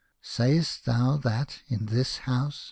" Sayest thou that in this house